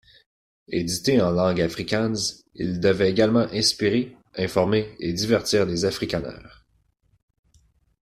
Édité en langue afrikaans, il devait également inspirer, informer et divertir les Afrikaners.